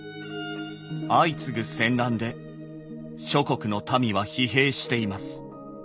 「相次ぐ戦乱で諸国の民は疲弊しています。